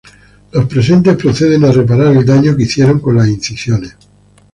Los presentes proceden a reparar el daño que hicieron con las incisiones.